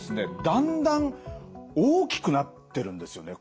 だんだん大きくなってるんですよね。